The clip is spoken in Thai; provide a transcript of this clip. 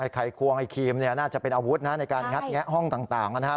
ไข่ควงไอครีมน่าจะเป็นอาวุธนะในการงัดแงะห้องต่างนะครับ